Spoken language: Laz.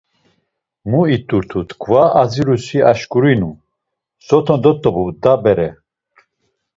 Mu it̆urtu! T̆ǩva azirusi aşǩurinu, soton dot̆obu da bere.